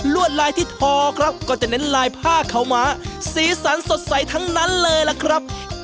วดลายที่ทอครับก็จะเน้นลายผ้าขาวม้าสีสันสดใสทั้งนั้นเลยล่ะครับ